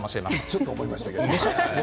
ちょっと思いました。